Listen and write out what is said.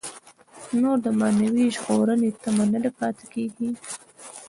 نور د معنوي ژغورنې تمه نه پاتې کېږي.